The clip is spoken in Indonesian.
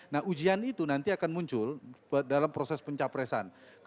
nah ujian itu nanti akan muncul dalam proses pencapresan